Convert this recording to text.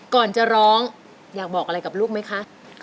ก่อนจะร้องอยากบอกอะไรกับลูกไหมคะ